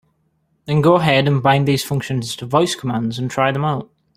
Then go ahead and bind these functions to voice commands and try them out.